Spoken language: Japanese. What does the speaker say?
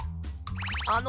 あの。